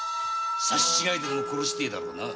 刺し違えてでも殺したいんだろうな。